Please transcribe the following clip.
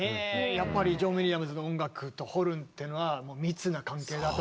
やっぱりジョン・ウィリアムズの音楽とホルンっていうのは密な関係だと？